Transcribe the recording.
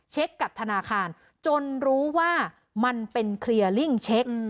กับธนาคารจนรู้ว่ามันเป็นเคลียร์ลิ่งเช็ค